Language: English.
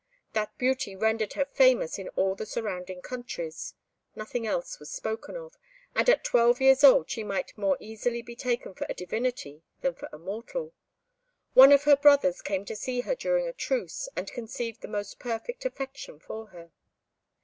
That beauty rendered her famous in all the surrounding countries; nothing else was spoken of, and at twelve years old she might more easily be taken for a divinity than for a mortal. One of her brothers came to see her during a truce, and conceived the most perfect affection for her.